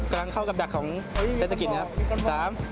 กระลังเข้ากับดักของเทศกิทนะครับ